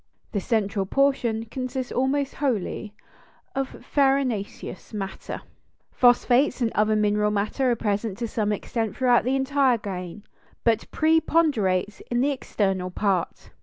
The central portion consists almost wholly of farinaceous matter. [Illustration: Sectional View of Wheat Kernel.] Phosphates and other mineral matter are present to some extent throughout the entire grain, but preponderates in the external part.